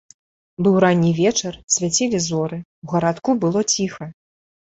Быў ранні вечар, свяцілі зоры, у гарадку было ціха.